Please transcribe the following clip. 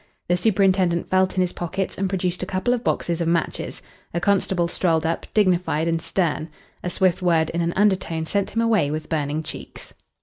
The superintendent felt in his pockets and produced a couple of boxes of matches. A constable strolled up, dignified and stern. A swift word in an undertone sent him away with burning cheeks.